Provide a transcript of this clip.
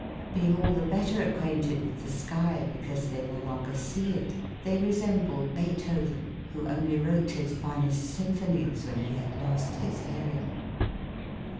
Being all the better acquainted with the sky because they no longer see it, they resemble Beethoven, who only wrote his finest symphonies when he had lost his hearing.